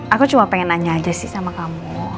aku cuma pengen nanya aja sih sama kamu